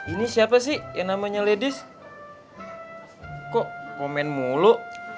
ini siapa sih yang namanya ladies kok komen mulu